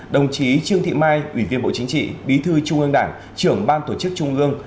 đồng chí trương thị mai ủy viên bộ chính trị bí thư trung ương đảng trưởng ban tổ chức trung ương